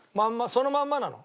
そのまんまなの？